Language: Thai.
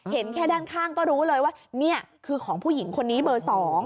เห็นแค่ด้านข้างก็รู้เลยว่านี่คือของผู้หญิงคนนี้เบอร์๒